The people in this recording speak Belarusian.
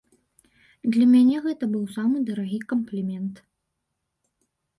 Для мяне гэта быў самы дарагі камплімент.